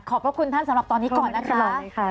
พระคุณท่านสำหรับตอนนี้ก่อนนะคะ